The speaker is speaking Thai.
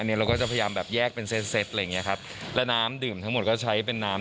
เราก็จะพยายามแบบแยกเป็นเซ็ตอะไรอย่างเงี้ยครับแล้วน้ำดื่มทั้งหมดก็ใช้เป็นน้ำ